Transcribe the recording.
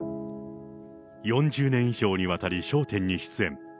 ４０年以上にわたり笑点に出演。